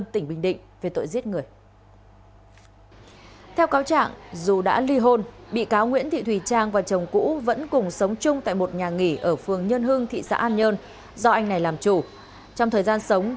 trong thời gian sống trang và chồng cũ thường xuyên xảy ra mâu thuẫn